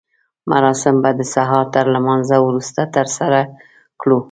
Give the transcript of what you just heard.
مراسم به د سهار تر لمانځه وروسته ترسره کړو.